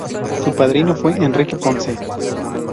Su padrino fue Enrique Ponce.